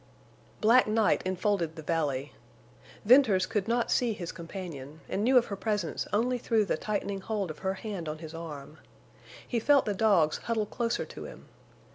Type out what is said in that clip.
Black night enfolded the valley. Venters could not see his companion, and knew of her presence only through the tightening hold of her hand on his arm. He felt the dogs huddle closer to him.